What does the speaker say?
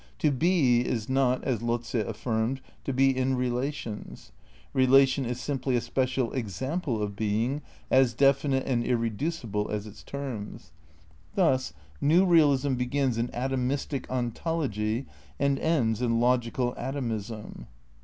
"To be," is not, as Lotze affirmed, "to be in relations"; relation is simply a special example of being, as definite and irreducible as its terms. Thus new realism begins in atomistic ontology and ends in logical atomism.